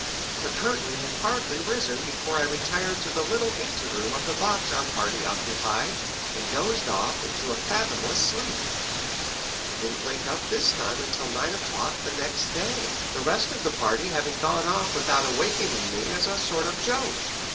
The curtain had hardly risen before I retired to the little ante room of the box our party occupied and dozed off into a fathomless sleep. I didn't wake up this time until nine o'clock the next day, the rest of the party having gone off without awakening me as a sort of joke.